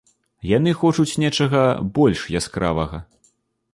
Яны хочуць нечага больш яскравага.